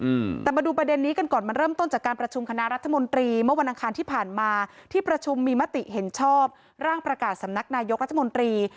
อืมแต่มาดูประเด็นนี้กันก่อนมันเริ่มต้นจากการประชุมคณะรัฐมนตรีเมื่อวันอังคารที่ผ่านมาที่ประชุมมีมติเห็นชอบร่างประกาศสำนักนายกรัฐมนตรี